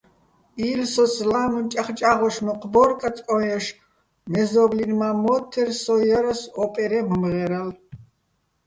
ი́ლსოს ლა́მუ ჭაღჭა́ღოშ მოჴ ბო́რ კაწკო́ჼ ჲაშ, მეზო́ბლინ მა́ მო́თთერ, სო ჲარასო̆ ო́პერეჼ მომღე́რალ.